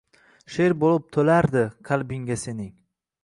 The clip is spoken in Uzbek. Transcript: She’r bo’lib to’lardi qalbingga sening